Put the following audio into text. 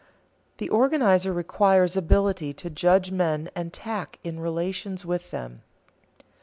_The organizer requires ability to judge men and tact in relations with them.